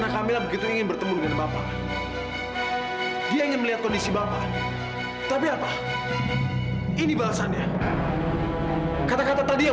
sampai jumpa di video selanjutnya